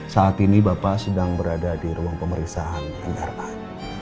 saat ini bapak sedang berada di ruang pemeriksaan m a r n